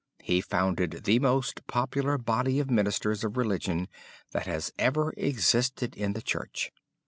He founded the most popular body of ministers of religion that has ever existed in the Church.